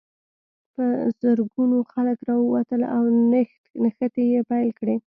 په زرګونو خلک راووتل او نښتې یې پیل کړې.